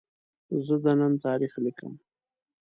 زه د نن تاریخ لیکم.